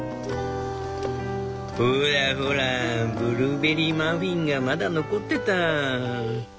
「ほらほらブルーベリーマフィンがまだ残ってた」。